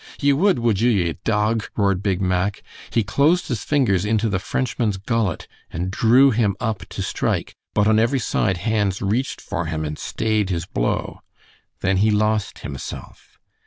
"Ye would, would you, ye dog?" roared Big Mack. He closed his fingers into the Frenchman's gullet, and drew him up to strike, but on every side hands reached for him and stayed his blow. Then he lost himself.